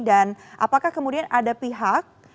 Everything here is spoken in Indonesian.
dan apakah kemudian ada pihak